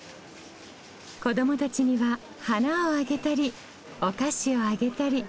子どもたちには花をあげたりお菓子をあげたり。